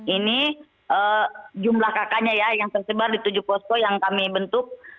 ini jumlah kakaknya ya yang tersebar di tujuh posko yang kami bentuk